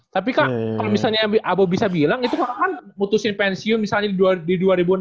tapi kak kalau misalnya abo bisa bilang itu kan putusin pensiun misalnya di dua ribu enam belas